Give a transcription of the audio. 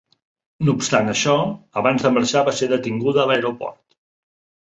No obstant això, abans de marxar va ser detinguda a l'aeroport.